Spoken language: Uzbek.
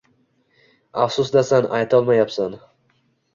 Afsusdasan aytolmayabsan